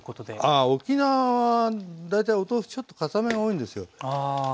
あ沖縄は大体お豆腐ちょっとかためが多いんですよ。